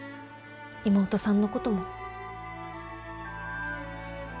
妹さんのことも。